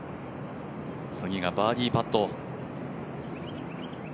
次がバーディーパット。